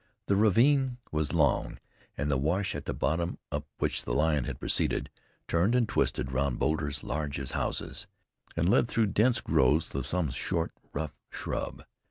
The ravine was long, and the wash at the bottom, up which the lion had proceeded, turned and twisted round boulders large as houses, and led through dense growths of some short, rough shrub.